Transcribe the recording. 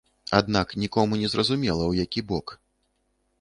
Аднак нікому не зразумела, у які бок.